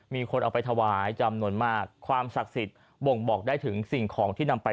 มีคนเอาไปถวายจำนวนมากความศักดิ์สิทธิ์บ่งบอกได้ถึงสิ่งของที่นำไป